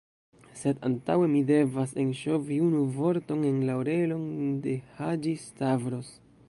Sed antaŭe, mi devas enŝovi unu vorton en la orelon de Haĝi-Stavros.